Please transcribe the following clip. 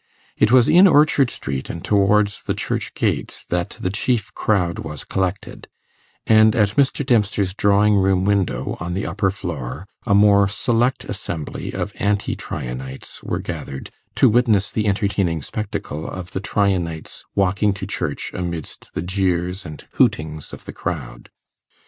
It was in Orchard Street, and towards the church gates, that the chief crowd was collected; and at Mr. Dempster's drawing room window, on the upper floor, a more select assembly of Anti Tryanites were gathered to witness the entertaining spectacle of the Tryanites walking to church amidst the jeers and hootings of the crowd.